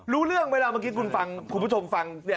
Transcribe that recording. รู้เรื่องไหมล่ะเมื่อกี้คุณผู้ชมฟัง